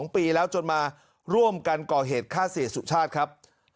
๒ปีแล้วจนมาร่วมกันก่อเหตุฆ่าเสียสุชาติครับ